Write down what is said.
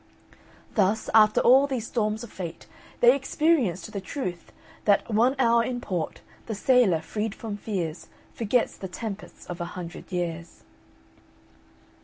Thus, after all these storms of fate, they experienced the truth that "One hour in port, the sailor, freed from fears, Forgets the tempests of a hundred years."